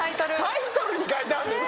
タイトルに書いてあんのに。